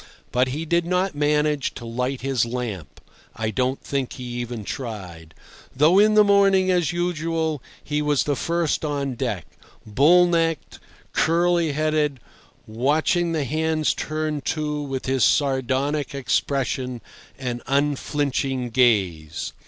But he did not manage to light his lamp (I don't think he even tried), though in the morning as usual he was the first on deck, bull necked, curly headed, watching the hands turn to with his sardonic expression and unflinching gaze.